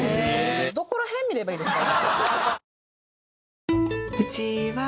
どこら辺見ればいいですか？